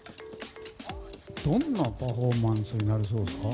どんなパフォーマンスになりそうですか？